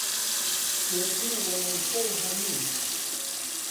سوێسن و وەنەوش و هەمین